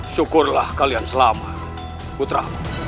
syukurlah kalian selama putra